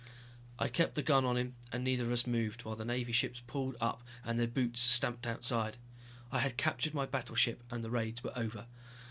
I kept the gun on him and neither of us moved while the Navy ships pulled up and their boots stamped outside. I had captured my battleship and the raids were over.